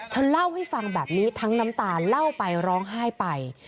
เธอเล่าให้ฟังแบบนี้ทั้งน้ำตาเล่าไปร้องไห้ไป